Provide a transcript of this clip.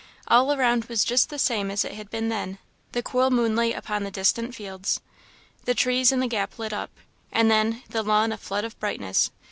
All around was just the same as it had been then; the cool moonlight upon the distant fields the trees in the gap lit up, as then the lawn a flood of brightness.